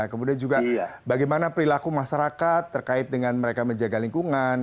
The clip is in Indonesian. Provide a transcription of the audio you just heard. kemudian juga bagaimana perilaku masyarakat terkait dengan mereka menjaga lingkungan